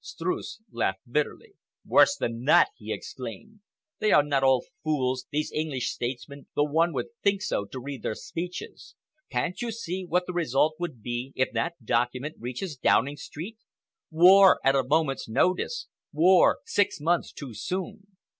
Streuss laughed bitterly. "Worse than that!" he exclaimed. "They are not all fools, these English statesmen, though one would think so to read their speeches. Can't you see what the result would be if that document reaches Downing Street? War at a moment's notice, war six months too soon!